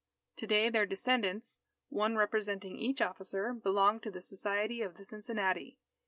To day their descendants, one representing each officer, belong to the Society of the Cincinnati.